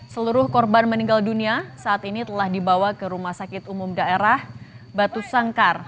seluruh korban meninggal dunia saat ini telah dibawa ke rumah sakit umum daerah batu sangkar